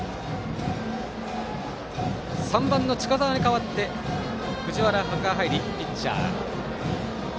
３番の近澤に代わって藤原が入りピッチャー。